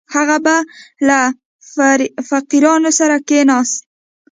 هغه به له فقیرانو سره کښېناست.